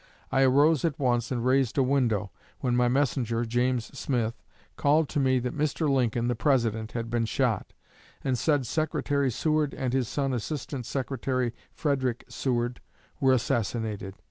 I arose at once and raised a window, when my messenger, James Smith, called to me that Mr. Lincoln, the President, had been shot; and said Secretary Seward and his son, Assistant Secretary Frederick Seward, were assassinated....